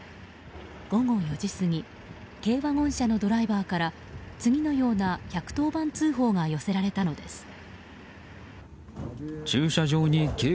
午後４時過ぎ軽ワゴン車のドライバーから次のような１１０番通報が寄せられたのです。